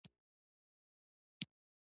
پیلوټ د رعد او برق ارزونه کوي.